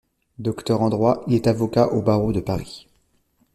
Docteur en droit, il est avocat au barreau de Paris.